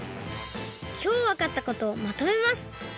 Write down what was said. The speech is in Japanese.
きょうわかったことをまとめます。